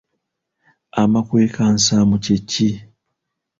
Amakwekansaamu kye ki?